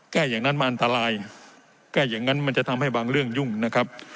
อย่างนั้นมันอันตรายแก้อย่างนั้นมันจะทำให้บางเรื่องยุ่งนะครับ